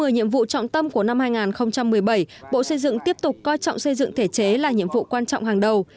một mươi nhiệm vụ trọng tâm của năm hai nghìn một mươi bảy bộ xây dựng tiếp tục coi trọng xây dựng thể chế là nhiệm vụ quan trọng hàng đầu